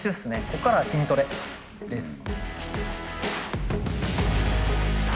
こっからは筋トレです。